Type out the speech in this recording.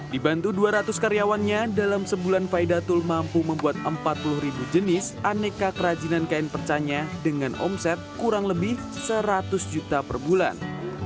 dibantu dua ratus karyawannya dalam sebulan faidatul mampu membuat empat puluh ribu jenis aneka kerajinan kain percanya dengan omset kurang lebih seratus juta per bulan